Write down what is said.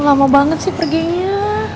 lama banget sih perginya